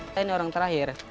saya ini orang terakhir